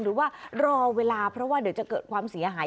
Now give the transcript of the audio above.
หรือว่ารอเวลาเพราะว่าเดี๋ยวจะเกิดความเสียหาย